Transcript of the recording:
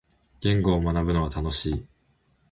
言語を学ぶのは楽しい。